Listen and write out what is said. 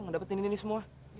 ngedapetin ini semua